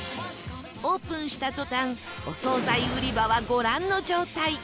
オープンした途端お総菜売り場はご覧の状態